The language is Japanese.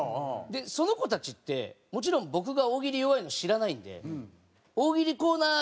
でその子たちってもちろん僕が大喜利弱いの知らないんで「大喜利コーナー！」